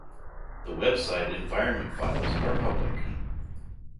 The website environment files are public